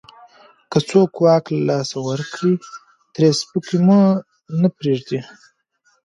که څوک واک له لاسه ورکړي، ترې سپکه مو نه پرېږدو.